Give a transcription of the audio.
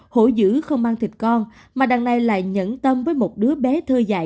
hổ dữ không mang thịt con mà đằng này lại nhẫn tâm với một đứa bé thơ dại